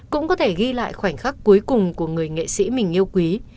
cũng có thể ghi lại khoảnh khắc cuối cùng của người nghệ sĩ mình yêu quý